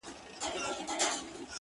تر اوسه یې د سرو لبو یو جام څکلی نه دی,